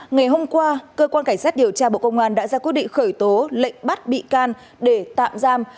ngày hôm qua cơ quan cảnh sát điều tra bộ công an đã ra quyết định khởi tố lệnh bắt bị can để tạm giam